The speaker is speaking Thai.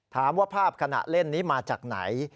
ภาพขณะเล่นนี้มาจากไหน